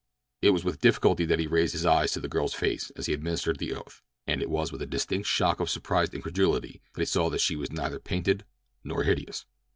It was with difficulty that he raised his eyes to the girl's face as he administered the oath, and it was with a distinct shock of surprised incredulity that he saw that she was neither painted nor hideous.